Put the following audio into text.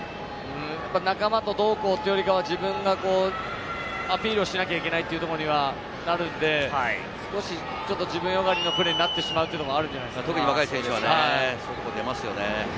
仲間とどうこうというよりは自分がアピールをしなきゃいけないというところにはなるので、少し自分よがりのプレーになってしまうというところが。